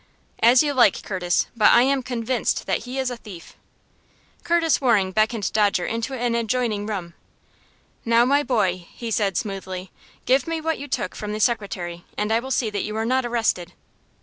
"As you like, Curtis; but I am convinced that he is a thief." Curtis Waring beckoned Dodger into an adjoining room. "Now, my boy," he said, smoothly, "give me what you took from the secretary, and I will see that you are not arrested."